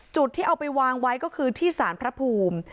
ที่เอาไปวางไว้ก็คือที่สารพระภูมิ